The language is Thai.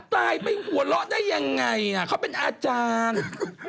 ตายไปหัวเราะได้อย่างไรอะเค้าเป็นอาจารย์